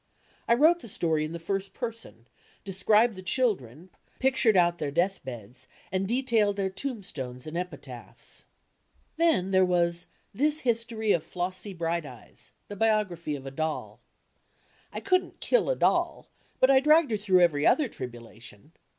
I wrote the story in the first person, described the children, picmred out their death beds, and detailed their tombstones and epitaphs. Then there was "This History of Flossy Brighteyes," IS7l b, Google the biography of a doll. I couldn't kilt a dotl, but I dragged her through every other tribulation.